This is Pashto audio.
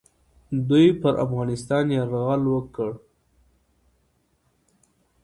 دوی پر افغانستان یرغل وکړ.